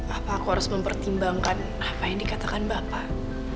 apa aku harus mempertimbangkan apa yang dikatakan bapak